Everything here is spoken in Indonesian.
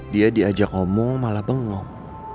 dia diajak omong malah bengok